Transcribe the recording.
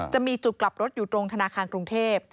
จะมีจุดกลับรถอยู่ตรงธนาคารกรุงเทพ